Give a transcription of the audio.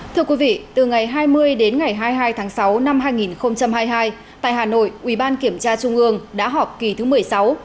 thưa quý vị từ ngày hai mươi đến ngày hai mươi hai tháng sáu năm hai nghìn hai mươi hai tại hà nội ubkt đã họp kỳ thứ một mươi sáu